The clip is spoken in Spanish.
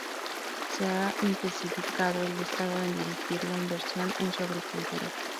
Se ha intensificado el estado en dirigir la inversión en su agricultura.